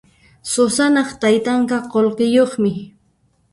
Susanaq taytanqa qullqiyuqmi.